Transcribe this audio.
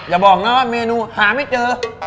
อย่าบอกนะว่าเมนูหาไม่เจอ